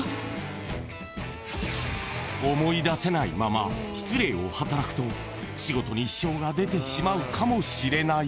［思い出せないまま失礼を働くと仕事に支障が出てしまうかもしれない］